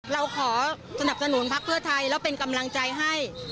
เราขอสนับสนุนพักเพื่อไทยแล้วเป็นกำลังใจให้